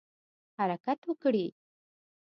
حرکت وکړي.